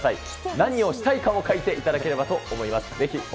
何をしたいかを書いていただければと思います。